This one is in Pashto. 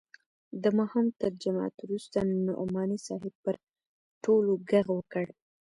د ماښام تر جماعت وروسته نعماني صاحب پر ټولو ږغ وکړ.